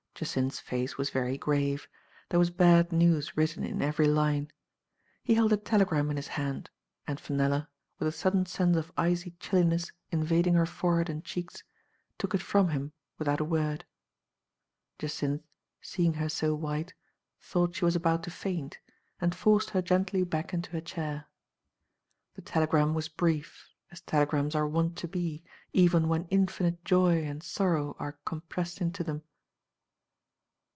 Jacynth's face was very grave; there was bad news written in every line. He held a telegram in his hand, and Fenella, with a«sudden sense of icy chilliness invading her forehead and cheeks, took it from him without a word. Jacynth, see ing her so white^ thought she was about to fairit, Digitized by Google 300 THE FA TE OF FENELLA. and forced her gently back into a chair. The telegram was brief, as telegrams are wont to be, even when infinite joy and sorrow are com pressed into them.